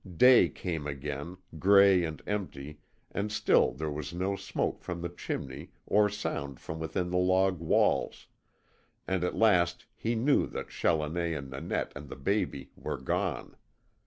Day came again, gray and empty and still there was no smoke from the chimney or sound from within the log walls, and at last he knew that Challoner and Nanette and the baby were gone.